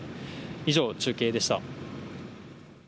以上、中継でした。